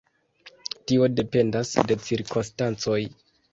Tio dependas de cirkonstancoj.